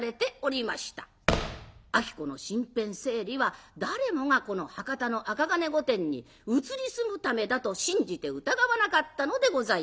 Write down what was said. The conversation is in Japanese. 子の身辺整理は誰もがこの博多の赤銅御殿に移り住むためだと信じて疑わなかったのでございます。